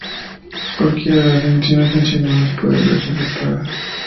Cualquiera de las enzimas mencionadas puede verse afectada.